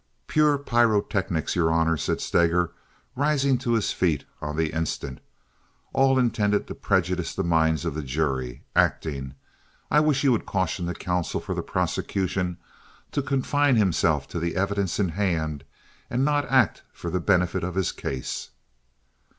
"Pure pyrotechnics, your honor," said Steger, rising to his feet on the instant. "All intended to prejudice the minds of the jury. Acting. I wish you would caution the counsel for the prosecution to confine himself to the evidence in hand, and not act for the benefit of his case."